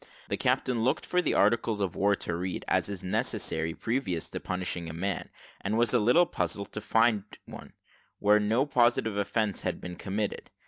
The captain looked for the articles of war to read, as is necessary previous to punishing a man, and was a little puzzled to find one, where no positive offence had been committed.